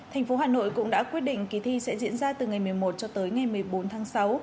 thành phố hà nội cũng đã quyết định kỳ thi sẽ diễn ra từ ngày một mươi một cho tới ngày một mươi bốn tháng sáu